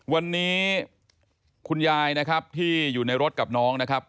วันนี้คุณยายนะครับที่อยู่ในรถกับน้องนะครับ